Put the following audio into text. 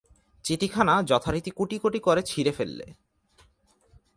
চিঠিখানা যথারীতি কুটিকুটি করে ছিঁড়ে ফেললে।